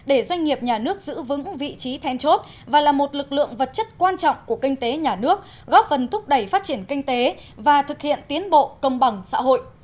để doanh nghiệp nhà nước giữ vững vị trí then chốt và là một lực lượng vật chất quan trọng của kinh tế nhà nước góp phần thúc đẩy phát triển kinh tế và thực hiện tiến bộ công bằng xã hội